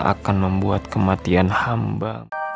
akan membuat kematian hamba